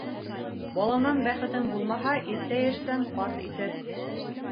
Баланан бәхетең булмаһа, иртә йәштән ҡарт итер.